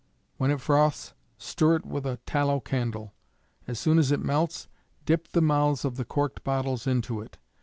When it froths stir it with a tallow candle. As soon as it melts, dip the mouths of the corked bottles into it.